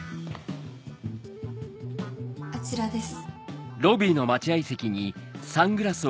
あちらです。